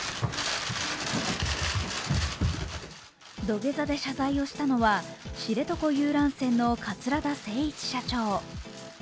土下座で謝罪をしたのは知床遊覧船の桂田精一社長。